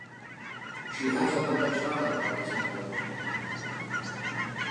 She has another child by this marriage.